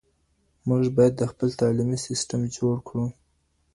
موږ باید خپل تعلیمي سیسټم جوړ کړو.